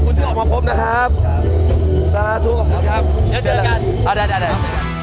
ขอบคุณที่ออกมาพบนะครับสวัสดีครับสวัสดีครับเดี๋ยวเจอกันอ่าได้ได้ได้